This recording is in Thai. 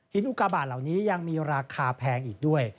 อุกาบาทเหล่านี้ยังมีราคาแพงอีกด้วย